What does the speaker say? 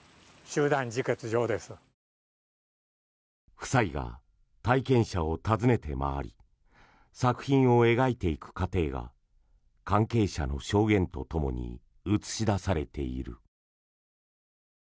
夫妻が体験者を訪ねて回り作品を描いていく過程が関係者の証言とともに映し出されている。